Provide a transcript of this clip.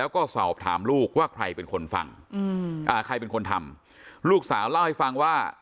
ว่าใครเป็นคนฟังอ่าใครเป็นคนทำลูกสาวเล่าให้ฟังว่า